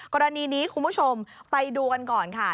กรณีนี้คุณผู้ชมไปดูกันก่อนค่ะ